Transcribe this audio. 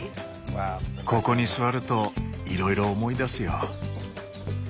ここに座るといろいろ思い出すよ。